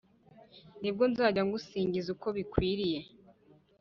nibwo, nzajya ngusinjyiza ukobikwiriye